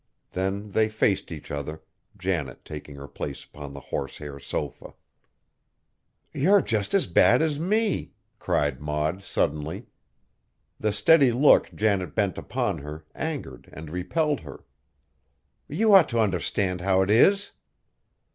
Then they faced each other, Janet taking her place upon the horsehair sofa. "You're just as bad as me!" cried Maud suddenly. The steady look Janet bent upon her angered and repelled her. "You ought t' understand how 't is."